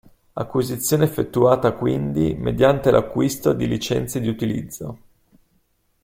Acquisizione effettuata quindi mediante l'acquisto di licenze di utilizzo.